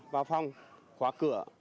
vào phòng khóa cửa